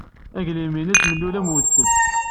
Aglim-nnes mellul am udfel.